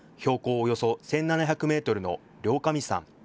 およそ１７００メートルの両神山。